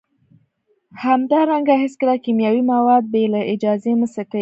همدارنګه هیڅکله کیمیاوي مواد بې له اجازې مه څکئ